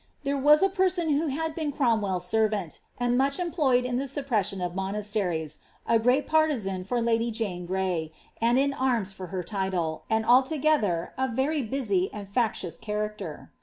There was a person' who had been Cromwdh servant, and much employed in the suppression of monasteries, a greet partisan for lady Jane Gray, and in arms for her titles, and altogether i very busy and factions character.